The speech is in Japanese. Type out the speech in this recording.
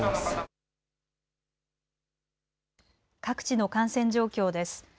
各地の感染状況です。